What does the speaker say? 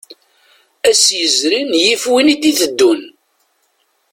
Ass yezrin yif win i d-iteddun.